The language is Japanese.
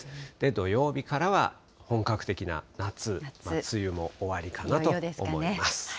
土曜日からは本格的な夏、梅雨も終わりかなと思います。